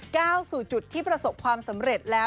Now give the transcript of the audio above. ก้าวสู่จุดที่ประสบความสำเร็จแล้ว